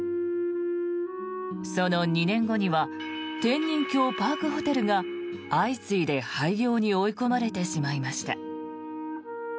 その２年後には天人峡パークホテルが相次いで廃業に追い込まれてしまいました。